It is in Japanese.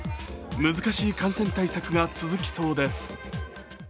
難しい感染対策が続きそうです。